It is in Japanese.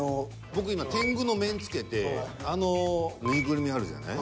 僕今天狗の面つけてあの縫いぐるみあるじゃない？